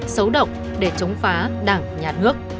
xấu động để chống phá đảng nhà nước